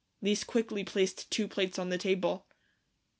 Lise quickly placed two plates on the table.